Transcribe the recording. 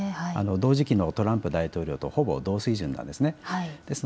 同時期のトランプ前大統領とほぼ同水準です。